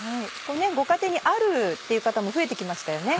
ご家庭にあるっていう方も増えて来ましたよね。